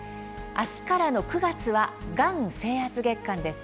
明日からの９月はがん征圧月間です。